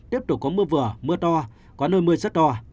tiếp tục có mưa vừa mưa to có nơi mưa rất to